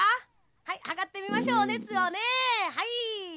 はいはかってみましょうおねつをね。はい」。